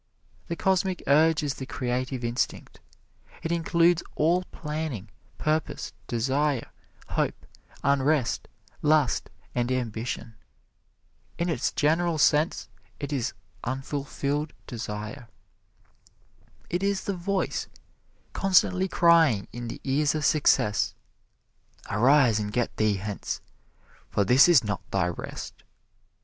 The Cosmic Urge is the creative instinct. It includes all planning, purpose, desire, hope, unrest, lust and ambition. In its general sense, it is Unfulfilled Desire. It is the voice constantly crying in the ears of success, "Arise and get thee hence, for this is not thy rest."